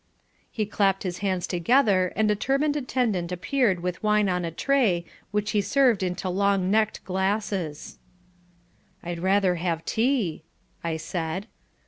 He clapped his hands together and a turbaned attendant appeared with wine on a tray which he served into long necked glasses. "I'd rather have tea," I said.